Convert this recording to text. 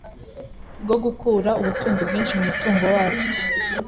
bwo gukura ubutunzi bwinshi mu mutungo wabyo.